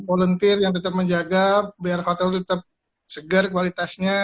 volunteer yang tetap menjaga biar hotel itu tetap segar kualitasnya